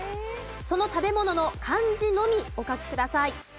その食べ物の漢字のみお書きください。